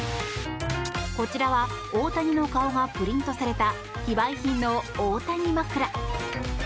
こちらは大谷の顔がプリントされた非売品の大谷枕。